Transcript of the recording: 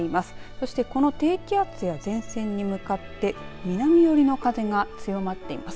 そしてこの低気圧や前線に向かって南寄りの風が強まっています。